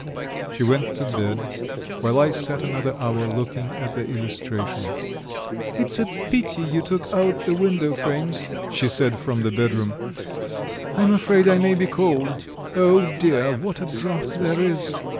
..." She went to bed, while I sat another hour looking at the illustrations. "It's a pity you took out the window frames," she said from the bedroom, "I am afraid it may be cold. Oh, dear, what a draught there is!"